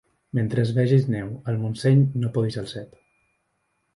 Mentre vegis neu al Montseny no podis el cep.